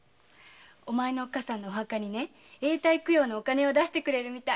お前のおっかさんのお墓に永代供養のお金を出してくれるみたい。